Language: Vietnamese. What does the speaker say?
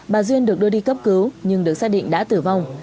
bà duyên được đưa đi cấp cứu nhưng được xác định đã tử vong